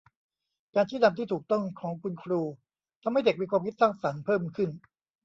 การชี้นำที่ถูกต้องของคุณครูทำให้เด็กมีความคิดสร้างสรรค์เพิ่มขึ้น